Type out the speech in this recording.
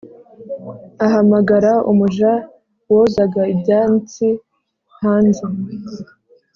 ahamagara umuja wozaga ibyansi hanze